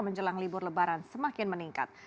menjelang libur lebaran semakin meningkat